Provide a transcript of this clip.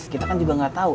kita kan juga gak tau